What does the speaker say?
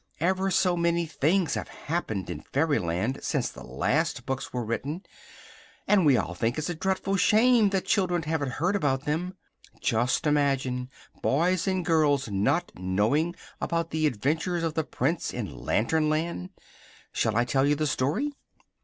Ever so many things have happened in Fairyland since the last books were written, and we all think it's a dreadful shame that children have n't heard about them. Just imagine boys and girls not knowing about the adventures of the Prince in Lantern Land! Shall I tell you the story?"